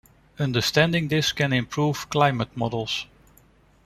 Understanding this can improve climate models.